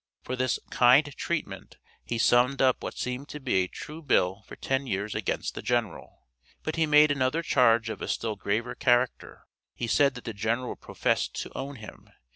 For this "kind treatment" he summed up what seemed to be a true bill for ten years against the general. But he made another charge of a still graver character: he said that the general professed to own him.